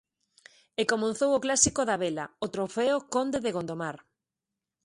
E comezou un clásico da vela, o Trofeo Conde de Gondomar.